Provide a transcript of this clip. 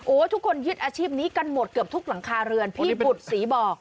ทุกคนยึดอาชีพนี้กันหมดเกือบทุกหลังคาเรือนพี่บุตรศรีบอก